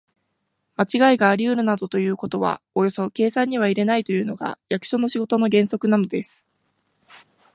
まちがいがありうるなどということはおよそ計算には入れないというのが、役所の仕事の原則なのです。